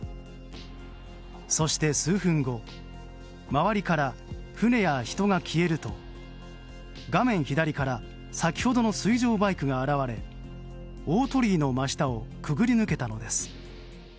そして、数分後周りから船や人が消えると画面左から先ほどの水上バイクが現れ大鳥居の真下を潜り抜けたのです。